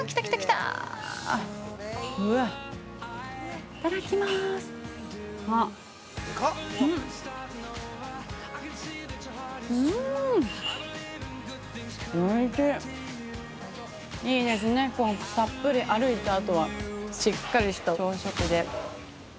たっぷり歩いたあとは、しっかりした朝食で。